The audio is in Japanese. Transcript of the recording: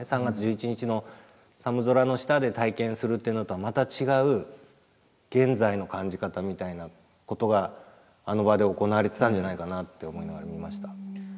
３月１１日の寒空の下で体験するというのとはまた違う現在の感じ方みたいなことがあの場で行われてたんじゃないかなって思いながら見ました。